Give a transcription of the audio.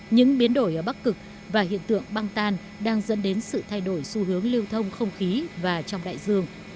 những biến đổi ở bắc cực và hiện tượng băng tan đang dẫn đến sự thay đổi xu hướng lưu thông không khí và trong đại dương